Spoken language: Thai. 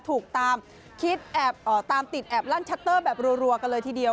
ถูกตามคิดแอบตามติดแอบลั่นชัตเตอร์แบบรัวกันเลยทีเดียว